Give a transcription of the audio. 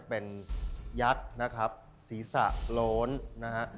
เป็นยักษ์นะครับศีรษะโล้นนะฮะ